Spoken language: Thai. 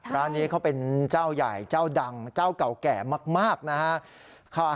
ร้านนี้เขาเป็นเจ้าใหญ่เจ้าดังเจ้าเก่าแก่มากนะฮะ